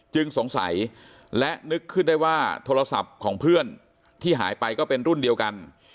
สงสัยและนึกขึ้นได้ว่าโทรศัพท์ของเพื่อนที่หายไปก็เป็นรุ่นเดียวกัน